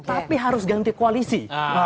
tapi harus ganti koalisi